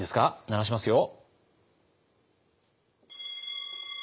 鳴らしますよ。